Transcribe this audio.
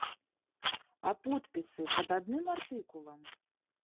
А подпісы пад адным артыкулам?